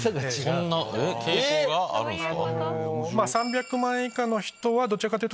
そんな傾向があるんすか？